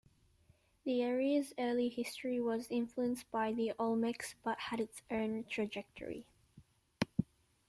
The area's early history was influenced by the Olmecs but had its own trajectory.